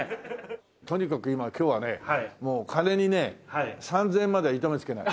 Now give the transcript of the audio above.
とにかく今今日はねもう金にね３０００円までは糸目つけない。